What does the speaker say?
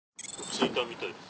着いたみたいです。